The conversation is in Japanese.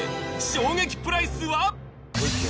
衝撃プライスは？